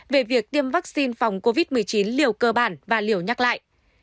về việc tiêm vaccine phòng covid một mươi chín liều cơ bản và liều nhắc lại